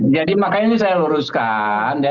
jadi makanya ini saya luruskan